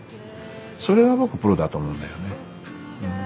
それが僕プロだと思うんだよね。